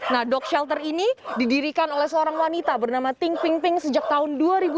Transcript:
nah dok shelter ini didirikan oleh seorang wanita bernama ting ping ping sejak tahun dua ribu dua belas